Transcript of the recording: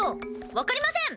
わかりません！